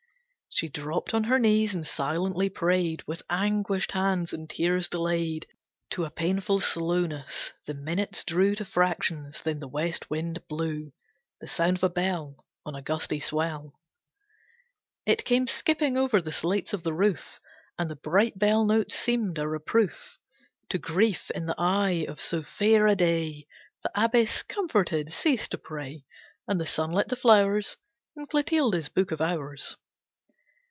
She dropped on her knees and silently prayed, With anguished hands and tears delayed To a painful slowness. The minutes drew To fractions. Then the west wind blew The sound of a bell, On a gusty swell. It came skipping over the slates of the roof, And the bright bell notes seemed a reproof To grief, in the eye of so fair a day. The Abbess, comforted, ceased to pray. And the sun lit the flowers In Clotilde's Book of Hours.